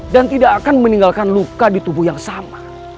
dan tidak akan meninggalkan luka di tubuh yang sama